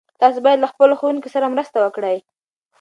تاسو باید له خپلو ښوونکو سره مرسته وکړئ.